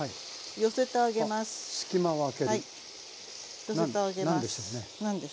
寄せてあげます。